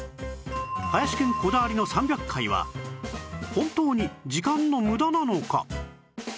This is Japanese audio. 林くんこだわりの３００回は本当に時間の無駄なのか？